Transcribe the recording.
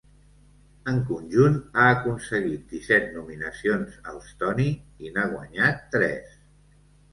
En conjunt, ha aconseguit disset nominacions als Tony i n'ha guanyat tres.